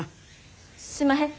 すんまへん。